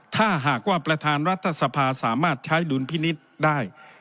ถ้าหากว่าประธานรัฐสภาสามารถใช้ดุลพินิษฐ์ได้